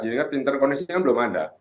jadi nanti interkoneksi kan belum ada